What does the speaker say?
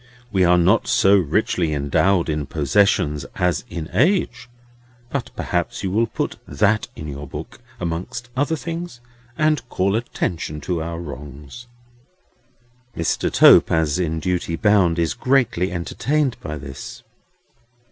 We are not so richly endowed in possessions as in age; but perhaps you will put that in your book, among other things, and call attention to our wrongs." Mr. Tope, as in duty bound, is greatly entertained by this.